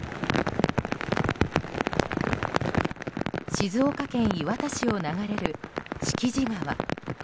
静岡県磐田市を流れる敷地川。